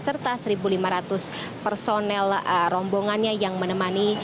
serta satu lima ratus personel rombongannya yang menemani